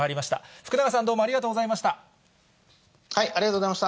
福永さん、どうもありがとうござありがとうございました。